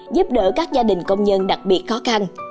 giúp đỡ các gia đình công nhân đặc biệt khó khăn